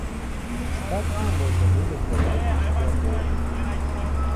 Астатнюю можна будзе здаваць на шклабой.